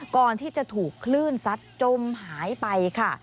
ก่อนที่จะถูกคลื่นซัดจมหายไปค่ะ